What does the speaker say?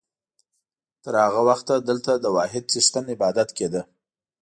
تر هغه وخته دلته د واحد څښتن عبادت کېده.